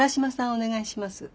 お願いします。